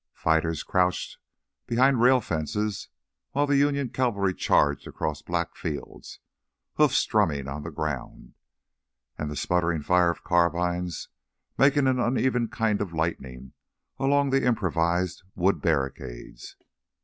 Fighters crouched behind rail fences while the Union cavalry charged across black fields, hoofs drumming on the ground, and the sputtering fire of carbines making an uneven kind of lightning along the improvised wood barricades.